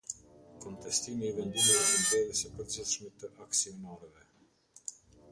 Kontestimi i vendimeve të mbledhjes së përgjithshme të aksionarëve.